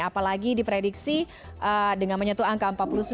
apalagi diprediksi dengan menyentuh angka empat puluh sembilan